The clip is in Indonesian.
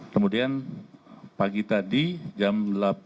kemudian pagi tadi jam delapan